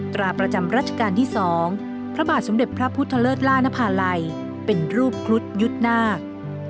ตราประจำรัชกาลที่๒พระบาทสมเด็จพระพุทธเลิศล่านภาลัยเป็นรูปครุฑยุทธ์นาค